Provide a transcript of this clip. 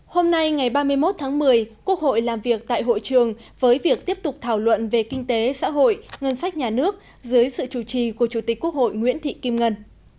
hôm nay ngày ba mươi một tháng một mươi quốc hội làm việc tại hội trường với việc tiếp tục thảo luận về kinh tế xã hội ngân sách nhà nước dưới sự chủ trì của chủ tịch quốc hội nguyễn thị kim ngân